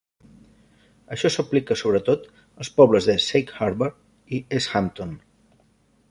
Això s'aplica sobretot als pobles de Sag Harbor i East Hampton.